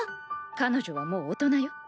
彼女はもう大人よ。